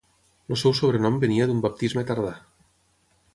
El seu sobrenom venia d'un baptisme tardà.